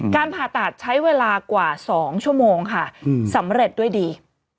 ผ่าตัดใช้เวลากว่า๒ชั่วโมงค่ะสำเร็จด้วยดี